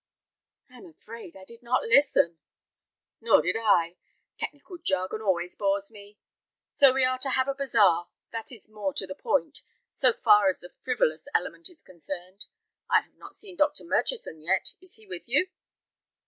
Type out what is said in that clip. "I am afraid I did not listen." "Nor did I. Technical jargon always bores me. So we are to have a bazaar; that is more to the point, so far as the frivolous element is concerned. I have not seen Dr. Murchison yet; is he with you?"